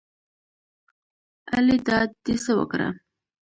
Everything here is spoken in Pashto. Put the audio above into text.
الۍ دا دې څه وکړه